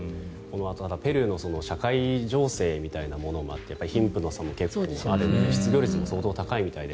ペルーの社会情勢みたいなものもあって貧富の差も結構あって失業率も相当高いみたいで。